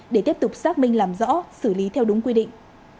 để tiếp tục xác minh làm rõ xử lý theo đúng quy định